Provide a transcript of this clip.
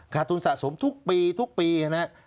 ทุนสะสมทุกปีทุกปีนะครับ